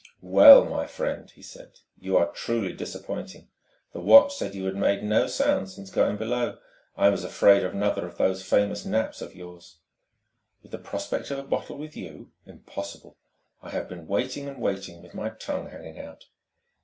"Well, my friend!" he said "you are truly disappointing. The watch said you had made no sound since going below. I was afraid of another of those famous naps of yours." "With the prospect of a bottle with you? Impossible! I have been waiting and waiting, with my tongue hanging out."